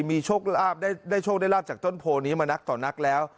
มีโชคลาภได้โชคได้ราบจากต้นโพนี้มานักต่อนักแล้ว